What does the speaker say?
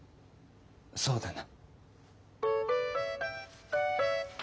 そうだな。